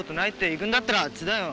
行くんだったらあっちだよ。